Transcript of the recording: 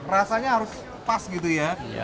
rasanya harus pas gitu ya